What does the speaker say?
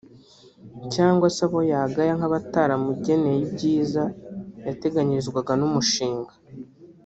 cyangwa se abo yagaya nk’abataramugeneye ibyiza yateganyirizwaga n’umushinga